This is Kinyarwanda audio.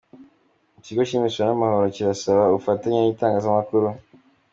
Ikigo cy’imisoro n’amahoro kirasaba ubufatanye n’Itangazamakuru